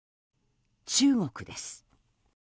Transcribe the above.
中国です。